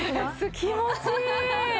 気持ちいい。